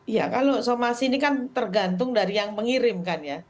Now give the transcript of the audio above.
ya kalau somasi ini kan tergantung dari yang mengirimkan ya